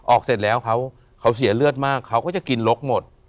เสร็จแล้วเขาเสียเลือดมากเขาก็จะกินลกหมด